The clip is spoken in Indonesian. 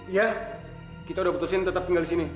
ya kita udah putusin tetap tinggal di sini